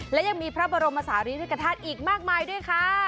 และยังมีพระบรมศาลีริกฐาตุอีกมากมายด้วยค่ะ